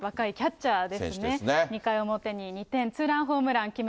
２回表に２点、ツーランホームラ